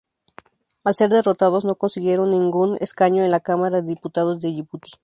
Al ser derrotados no consiguieron ningún escaño en la Cámara de Diputados de Yibuti.